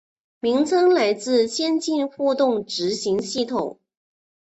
名称来自先进互动执行系统。